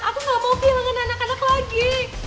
aku gak mau bilangin anak anak lagi